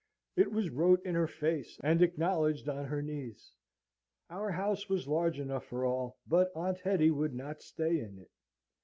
It was wrote in her face, and acknowledged on her knees. Our house was large enough for all, but Aunt Hetty would not stay in it.